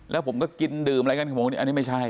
แล้วผมก็กินดื่มอะไรกันของผมอันนี้ไม่ใช่